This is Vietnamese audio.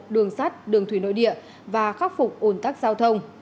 đường sắt đường thủy nội địa và khắc phục ồn tắc giao thông